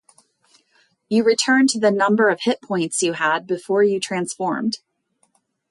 You return to the number of hit points you had before you transformed.